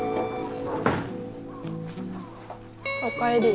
おかえり。